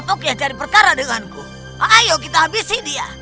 tolong aku menangkap dia